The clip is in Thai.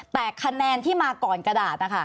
แต่คะแนนที่มาก่อนกระดาษนะคะ